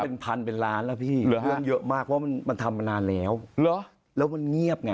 เป็นพันเป็นล้านแล้วพี่เหลือเรื่องเยอะมากเพราะมันมันทำมานานแล้วเหรอแล้วมันเงียบไง